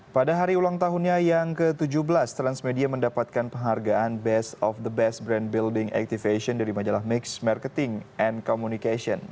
pada hari ulang tahunnya yang ke tujuh belas transmedia mendapatkan penghargaan best of the best brand building activation dari majalah mix marketing and communication